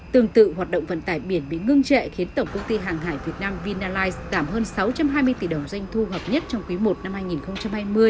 tương tự hoạt động vận tải biển bị ngưng trệ khiến tổng công ty hàng hải việt nam vinalize giảm hơn sáu trăm hai mươi tỷ đồng doanh thu hợp nhất trong quý i năm hai nghìn hai mươi